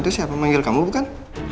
itu itu siapa yang memanggil kamu bukan